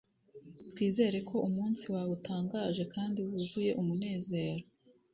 twizere ko umunsi wawe utangaje kandi wuzuye umunezero